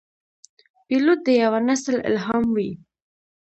پیلوټ د یوه نسل الهام وي.